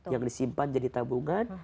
yang disimpan jadi tabungan